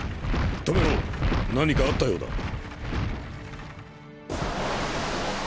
止めろ何かあったようだ。